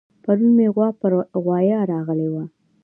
پرون مې غوا پر غوايه راغلې وه